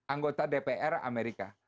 anggota dpr amerika